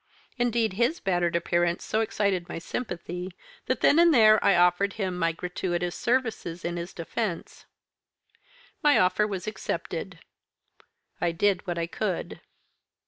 Indeed his battered appearance so excited my sympathy that then and there I offered him my gratuitous services in his defence. My offer was accepted. I did what I could.